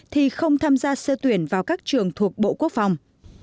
thì không tham gia sơ tuyển vào các trường thuộc bộ quốc phòng